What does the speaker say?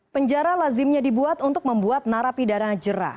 penjara lazimnya dibuat untuk membuat narapidana jerah